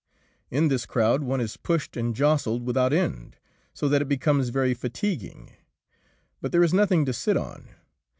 In this crowd one is pushed and jostled without end, so that it becomes very fatiguing. But there is nothing to sit on.